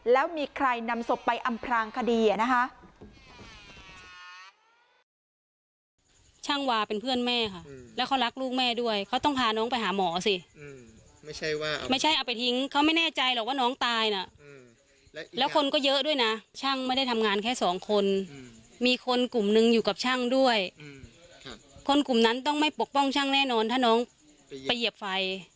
แล้วมีใครนำศพไปอำพลางคดีนะคะ